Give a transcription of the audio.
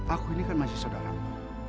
aku ini kan masih saudaramu